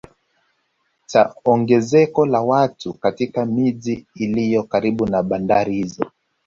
Cha ongezeko la watu katika miji iliyo karibu na bandari hizo